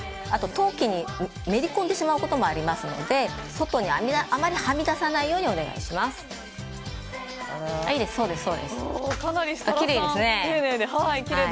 あと、陶器にめり込んでしまうこともありますので外にあまりはみ出さないようにお願いします。